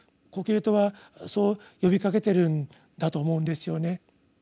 コヘレトはそう呼びかけてるんだと思うんですよね。